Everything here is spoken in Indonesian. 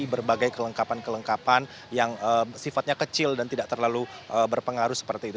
berbagai kelengkapan kelengkapan yang sifatnya kecil dan tidak terlalu berpengaruh seperti itu